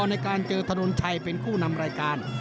ในการเจอถนนชัยเป็นคู่นำรายการ